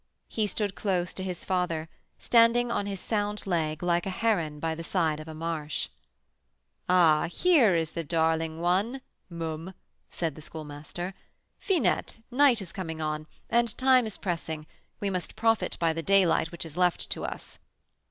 He stood close to his father, standing on his sound leg like a heron by the side of a marsh. "Ah, here is the darling one (môme)!" said the Schoolmaster. "Finette, night is coming on, and time is pressing; we must profit by the daylight which is left to us."